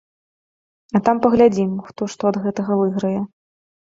А там паглядзім, хто што ад гэтага выйграе.